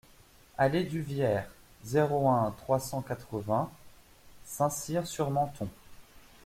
Allée du Vierre, zéro un, trois cent quatre-vingts Saint-Cyr-sur-Menthon